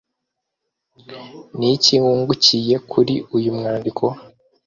ni iki wungukiye kuri uyu mwandiko?